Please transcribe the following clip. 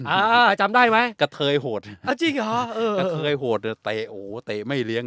อ่าจำได้ไหมกระเทยโหดเอาจริงเหรอเออกระเทยโหดอ่ะเตะโอ้โหเตะไม่เลี้ยง